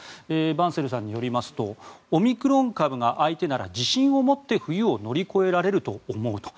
バンセルさんによりますとオミクロン株が相手なら自信を持って冬を乗り越えられると思うと。